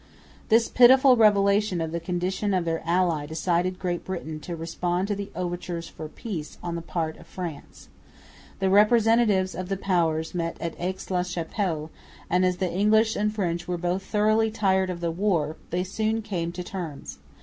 This pitiful revelation of the condition of their ally decided Great Britain to respond to the overtures for peace on the part of France. The representatives of the powers met at Aix la Chapelle; and, as the English and French were both thoroughly tired of the war, they soon came to terms.